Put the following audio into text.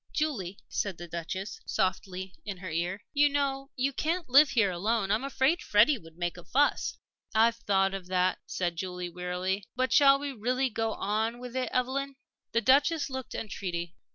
"Julie," said the Duchess, softly, in her ear, "you know you can't live here alone. I'm afraid Freddie would make a fuss." "I've thought of that," said Julie, wearily. "But, shall we really go on with it, Evelyn?" The Duchess looked entreaty.